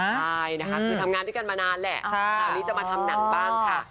ใช่นะคะคือทำงานด้วยกันมานานแหละคราวนี้จะมาทำหนังบ้างค่ะ